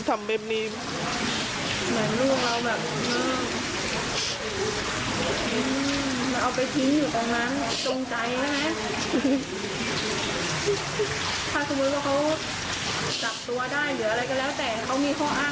แล้วมาขออธิกรรมแม่ให้ได้ไหม